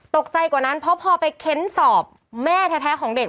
กว่านั้นเพราะพอไปเค้นสอบแม่แท้ของเด็ก